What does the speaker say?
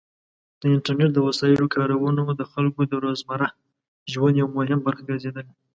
د انټرنیټ د وسایلو کارونه د خلکو د روزمره ژوند یو مهم برخه ګرځېدلې.